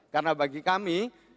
karena bagi kami